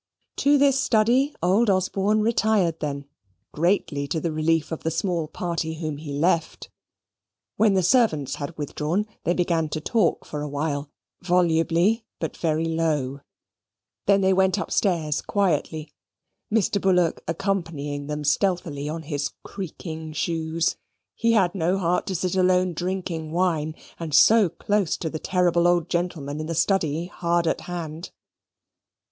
To this study old Osborne retired then, greatly to the relief of the small party whom he left. When the servants had withdrawn, they began to talk for a while volubly but very low; then they went upstairs quietly, Mr. Bullock accompanying them stealthily on his creaking shoes. He had no heart to sit alone drinking wine, and so close to the terrible old gentleman in the study hard at hand.